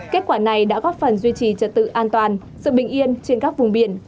kết quả này đã góp phần duy trì trật tự an toàn sự bình yên trên các vùng biển